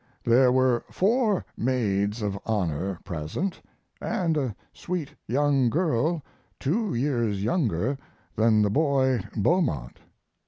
"There were four maids of honor present and a sweet young girl two years younger than the boy Beaumont.